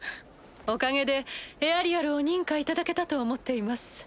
おかげでエアリアルを認可いただけたと思っています。